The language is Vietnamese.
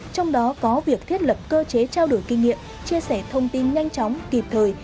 trong đó có việc thiết lập cơ chế trao đổi kinh nghiệm chia sẻ thông tin nhanh chóng kịp thời